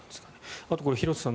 あと廣瀬さん